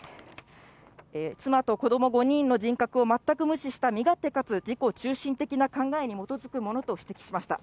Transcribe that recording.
妻と子ども５人の人格を全く無視した身勝手かつ自己中心的な考えに基づくものと指摘しました。